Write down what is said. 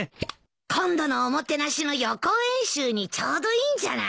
今度のおもてなしの予行演習にちょうどいいんじゃない？